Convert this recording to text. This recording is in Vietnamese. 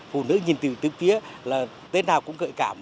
phụ nữ nhìn từ từ phía là tên nào cũng gợi cảm